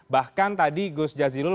bahkan tadi gus jazilul